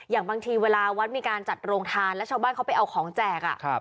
อย่างบางทีเวลาวัดมีการจัดโรงทานแล้วชาวบ้านเขาไปเอาของแจก